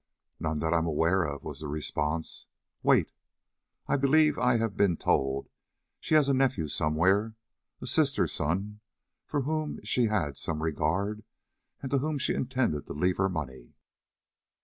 "None that I am aware of," was the response. "Wait, I believe I have been told she has a nephew somewhere a sister's son, for whom she had some regard and to whom she intended to leave her money."